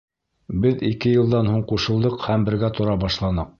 Беҙ ике йылдан һуң ҡушылдыҡ һәм бергә тора башланыҡ.